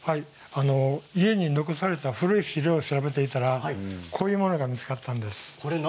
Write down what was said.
家に残された古い資料を調べていたらこういうものが見つかったんです。